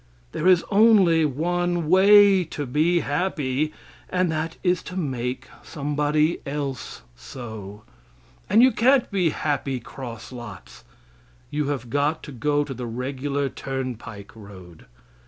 There is only one way to be happy, and that is to make somebody else so, and you can't be happy cross lots; you have got to go the regular turnpike road.